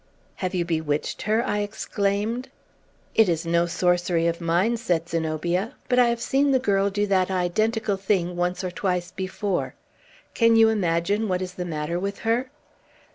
"Have you bewitched her?" I exclaimed. "It is no sorcery of mine," said Zenobia; "but I have seen the girl do that identical thing once or twice before. Can you imagine what is the matter with her?"